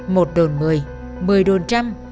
một đồn mười mười đồn trăm